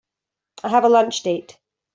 I have a lunch date.